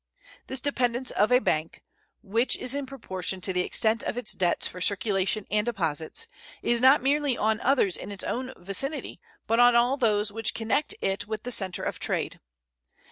This dependence of a bank, which is in proportion to the extent of its debts for circulation and deposits, is not merely on others in its own vicinity, but on all those which connect it with the center of trade.